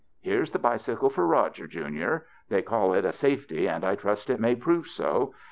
Here's the bicycle for Eoger, junior. They call it * a safety,' and I trust it may prove so.